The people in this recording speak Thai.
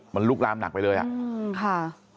มันลุกลามหนักไปเลยอ่ะค่ะ